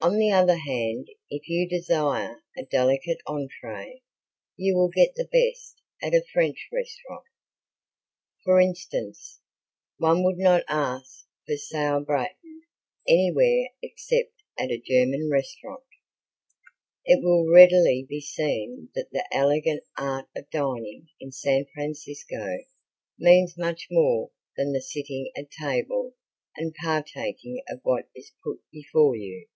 On the other hand if you desire a delicate entree you will get the best at a French restaurant. For instance, one would not ask for sauer braten anywhere except at a German restaurant. It will readily be seen that the Elegant Art of Dining in San Francisco means much more than the sitting at table and partaking of what is put before you.